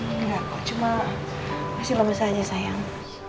enggak cuma masih remes aja sayang